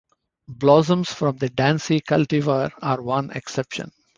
Blossoms from the Dancy cultivar are one exception.